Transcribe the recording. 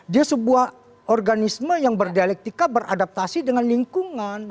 dia sebuah organisme yang berdialektika beradaptasi dengan lingkungan